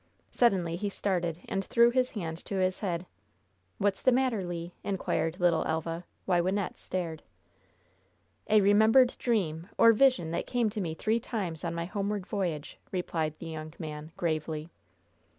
Suddenly he started, and threw his hand to his head. "What's the matter, Le?" inquired little Elva, while Wynnette stared. "A remembered dream, or vision, that came to me three times on my homeward voyage," replied the young man, gravely.